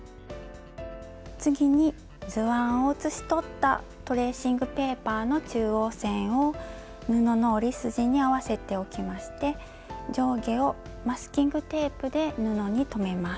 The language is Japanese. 次に図案を写し取ったトレーシングペーパーの中央線を布の折り筋に合わせて置きまして上下をマスキングテープで布に留めます。